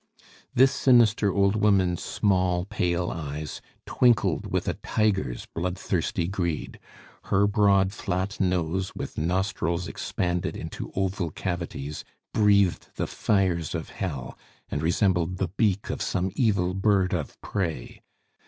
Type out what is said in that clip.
This sinister old woman's small, pale eyes twinkled with a tiger's bloodthirsty greed. Her broad, flat nose, with nostrils expanded into oval cavities, breathed the fires of hell, and resembled the beak of some evil bird of prey.